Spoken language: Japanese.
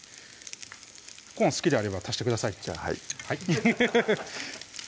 コーン好きであれば足してくださいじゃあはいハハハハッ